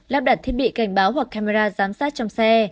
lắp đặt thiết bị cảnh báo hoặc camera giám sát trong xe